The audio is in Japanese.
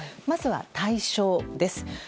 まずは、対象です。